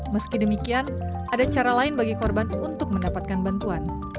meski demikian ada cara lain bagi korban untuk mendapatkan bantuan